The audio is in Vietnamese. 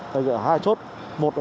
đây là hai chốt